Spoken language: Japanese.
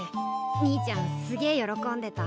兄ちゃんすげえ喜んでた。